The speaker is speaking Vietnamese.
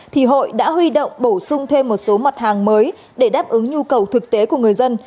thì hội đã huy động bổ sung thêm một số mặt hàng mới để đáp ứng nhu cầu thực tế của người dân